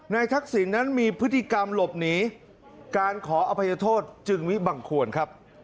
ทักษิณนั้นมีพฤติกรรมหลบหนีการขออภัยโทษจึงวิบังควรครับ